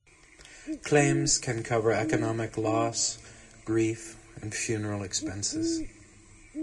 Claims can cover economic loss, grief, and funeral expenses.